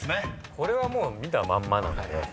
これは見たまんまなんで。